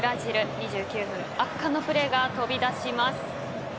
２９分圧巻のプレーが飛び出します。